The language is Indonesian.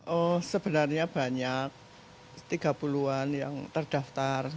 oh sebenarnya banyak tiga puluh an yang terdaftar